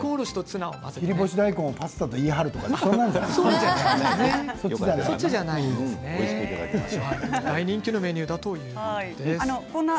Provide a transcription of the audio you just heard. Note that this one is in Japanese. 切り干し大根をパスタと言い張るとか大人気のメニューだということです。